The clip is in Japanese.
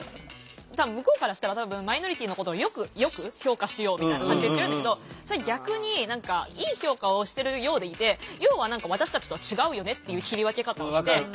向こうからしたら多分マイノリティーのことをよく評価しようみたいな感じで言ってるんだけどそれ逆にいい評価をしてるようでいて要は何か私たちとは違うよねっていう切り分け方をして。